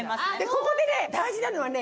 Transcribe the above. ここでね大事なのはね